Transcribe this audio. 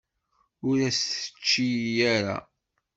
Ur as-t-yečči ara.